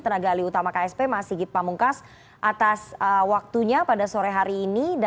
tenaga alih utama ksp mas sigit pamungkas atas waktunya pada sore hari ini